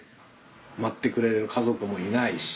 待ってくれる家族もいないし。